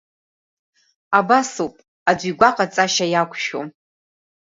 Абас ауп, аӡәы игәы аҟаҵашьа иақәшәом.